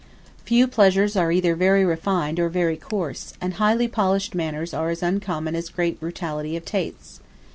Few pleasures are either very refined or very coarse; and highly polished manners are as uncommon as great brutality of tastes.